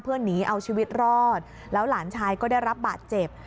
หนีเอาชีวิตรอดแล้วหลานชายก็ได้รับบาดเจ็บ